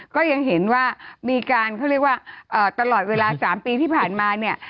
ก็ยังเห็นว่ามีการเขาเรียกว่าตลอดเวลา๓ปีที่ผ่านมาเนี่ย